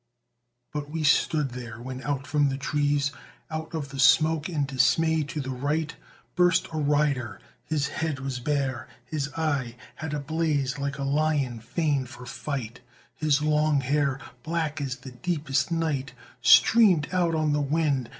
But we stood there! when out from the trees, Out of the smoke and dismay to the right Burst a rider His head was bare, his eye Had a blaze like a lion fain for fight; His long hair, black as the deepest night, Streamed out on the wind.